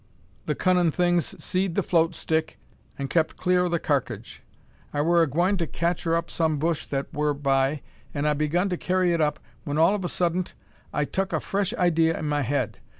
The cunnin' things seed the float stick, an' kep clur o' the karkidge. I wur a gwine to cacher under some bush that wur by, an' I begun to carry it up, when all of a suddint I tuk a fresh idee in my head.